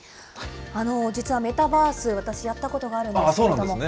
実はメタバース、私やったことがあるんですけれども。